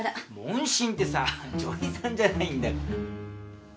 問診ってさ女医さんじゃないんだから。